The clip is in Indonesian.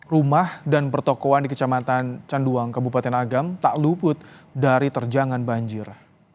rumah dan pertokohan di kecamatan canduang kabupaten agam tak luput dari terjangan banjir